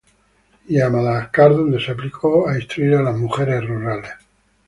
Y a Madagascar, donde se aplicó a instruir a mujeres rurales.